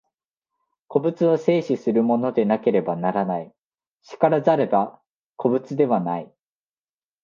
個物は生死するものでなければならない、然らざれば個物ではない。